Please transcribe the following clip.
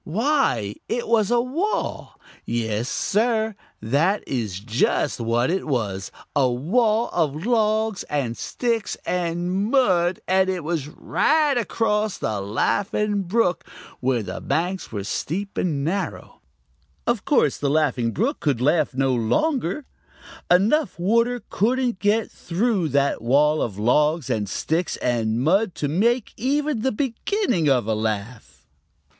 Why, it was a wall. Yes, Sir, that is just what it was a wall of logs and sticks and mud, and it was right across the Laughing Brook, where the banks were steep and narrow. Of course the Laughing Brook could laugh no longer; there couldn't enough water get through that wall of logs and sticks and mud to make even the beginning of a laugh.